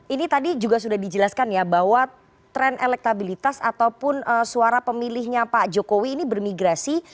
ini tadi juga sudah dijelaskan ya bahwa tren elektabilitas ataupun suara pemilihnya pak jokowi ini bermigrasi